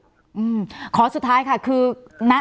อเรนนี่ขอสันติค่ะ